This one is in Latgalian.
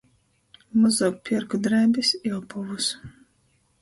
Mozuok pierku drēbis i apovus.